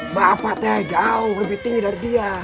mbak apatnya jauh lebih tinggi dari dia